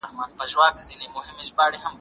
د شپې توره پرده د هغه د ستړیا ملګرې شوه.